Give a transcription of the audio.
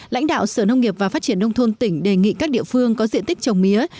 lãnh đạo sở nông nghiệp và phát triển nông thôn tỉnh đề nghị các địa phương có diện tích trồng mía